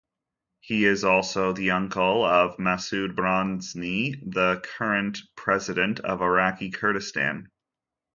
He is also the uncle of Massoud Barzani, the current President of Iraqi Kurdistan.